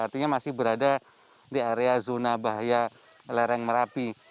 artinya masih berada di area zona bahaya lereng merapi